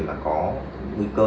mà có nguy cơ